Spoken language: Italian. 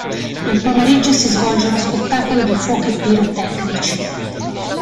Nel pomeriggio si svolge uno spettacolo di fuochi pirotecnici.